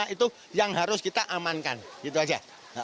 itu yang harus kita amankan gitu aja